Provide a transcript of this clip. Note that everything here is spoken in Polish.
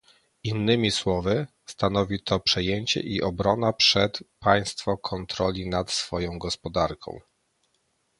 Innymi słowy, stanowi to przejęcie i obrona przez państwo kontroli nad swoją gospodarką